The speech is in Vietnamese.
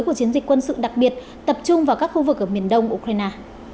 của chiến dịch quân sự đặc biệt tập trung vào các khu vực ở miền đông ukraine